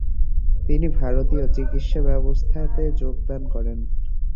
তিনি ভারতীয় চিকিৎসাব্যবস্থাতে যোগদান করেন।